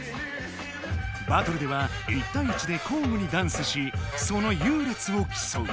バトルでは１たい１で交互にダンスしそのゆうれつをきそう。